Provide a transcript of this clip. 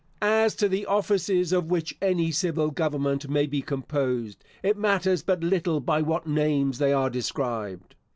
As to the offices of which any civil government may be composed, it matters but little by what names they are described.